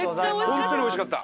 本当においしかった。